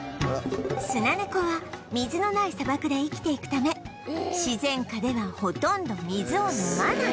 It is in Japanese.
スナネコは水のない砂漠で生きていくため自然下ではほとんど水を飲まない